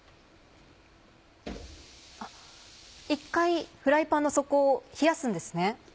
一回フライパンの底を冷やすんですね。